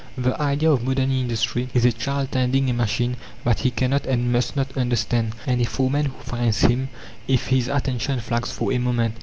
The idea of modern industry is a child tending a machine that he cannot and must not understand, and a foreman who fines him if his attention flags for a moment.